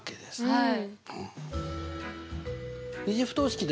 はい。